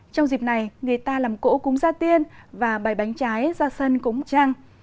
trong dịp này người ta làm cỗ cúng ra tiên và bài bánh trái ra sân cúng trăng